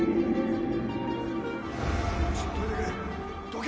ちょっとどいてくれどけ！